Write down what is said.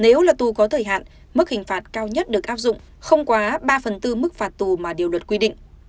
nếu là tù có thời hạn mức hình phạt cao nhất được áp dụng không quá ba phần tư mức phạt tù mà điều luật quy định